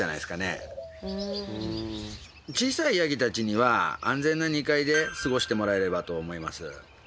小さいヤギたちには安全な２階で過ごしてもらえればと思います。